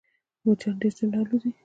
مچان ډېر تند الوزي